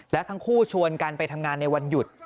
และทั้งคู่ชวนกันไปทำงานในวันหยุด